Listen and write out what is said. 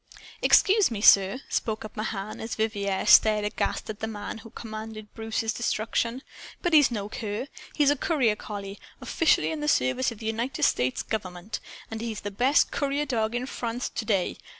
"Excuse me, sir," spoke up Mahan, as Vivier stared aghast at the man who commanded Bruce's destruction, "but he's no cur. He's a courier collie, officially in the service of the United States Government. And he's the best courier dog in France to day.